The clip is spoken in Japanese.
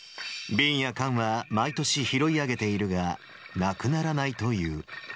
瓶や缶は、毎年拾い上げているが、なくならないという。